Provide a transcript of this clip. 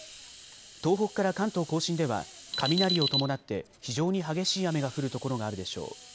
東北から関東甲信では雷を伴って非常に激しい雨が降る所があるでしょう。